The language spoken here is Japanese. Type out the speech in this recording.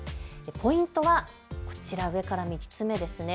ポイントはこちら上から３つ目ですね。